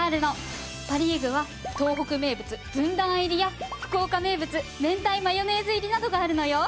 パ・リーグは東北名物ずんだあん入りや福岡名物明太マヨネーズ入りなどがあるのよ。